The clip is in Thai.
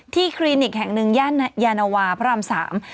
ที่คลีนิกแห่งหนึ่งยานาวาพระราม๓